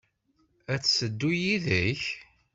Ad teddu yid-k?